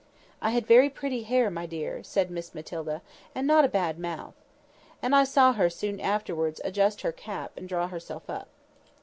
"I had very pretty hair, my dear," said Miss Matilda; "and not a bad mouth." And I saw her soon afterwards adjust her cap and draw herself up.